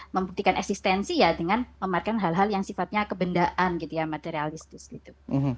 membuktikan eksistensi ya dengan mematikan hal hal yang sifatnya kebendaan gitu ya materialistis gitu